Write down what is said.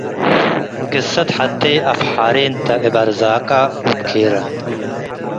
ግሰት ሐቴ አፍ ሓሬንተ እብ አርዛቀ ወእብ ኬረ